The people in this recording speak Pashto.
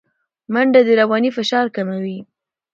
منډه د رواني فشار کموي